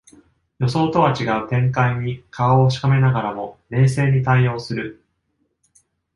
予想とは違う展開に顔をしかめながらも冷静に対応する